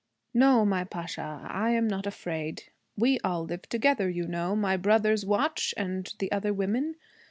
'No, my Pasha. I am not afraid. We all live together, you know. My brothers watch, and the other women.